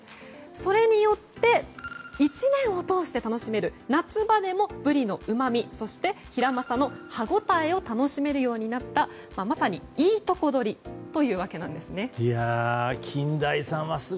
それによって１年を通して楽しめる、夏場でもブリのうまみそして、ヒラマサの歯ごたえを楽しめるようになったまさに、いいとこ取りというわけなんですね。